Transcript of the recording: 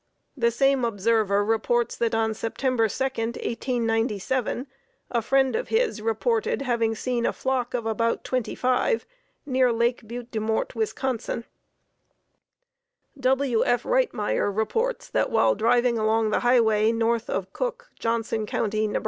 The same observer reports that on September 2, 1897, a friend of his reported having seen a flock of about twenty five near Lake Butte des Mortes, Wis. W. F. Rightmire reports that while driving along the highway north of Cook, Johnson County, Neb.